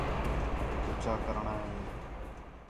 اُچّا کرݨاں ہِے